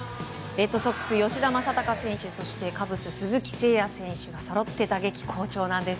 レッドソックス、吉田正尚選手そして、カブス鈴木誠也選手がそろって打撃好調なんです。